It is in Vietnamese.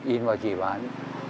in vào chỉ bản